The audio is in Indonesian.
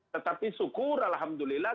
tetapi syukur alhamdulillah